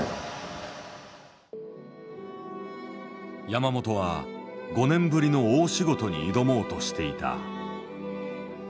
山本は５年ぶりの大仕事に挑もうとしていた。